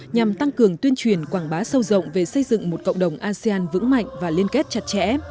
nhằm tăng cường tuyên truyền quảng bá sâu rộng về xây dựng một cộng đồng asean vững mạnh và liên kết chặt chẽ